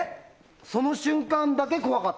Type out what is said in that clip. その瞬間だけ怖かった。